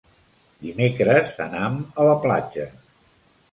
Dimecres anam a la platja.